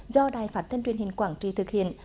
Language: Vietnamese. do đài phát thanh truyền hình quảng trì thực hiện